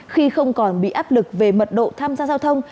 khi không còn bị áp lực về mật độ tham gia giao thông